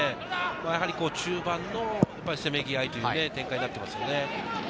やはり中盤のせめぎ合いという展開になっていますよね。